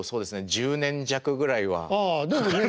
１０年弱ぐらいはかかる。